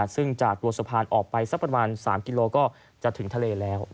ซึ่งจากตัวสะพานออกไปสักประมาณ๓กิโลก็จะถึงทะเลแล้ว